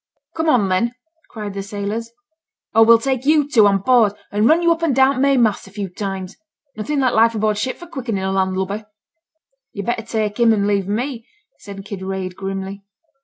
'Come on then,' cried the sailors, 'or we'll take you too on board, and run you up and down the main mast a few times. Nothing like life aboard ship for quickening a land lubber.' 'Yo'd better take him and leave me,' said Kinraid, grimly.